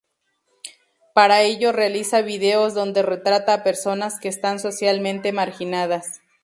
Para ello realiza vídeos donde retrata a personas que están socialmente marginadas.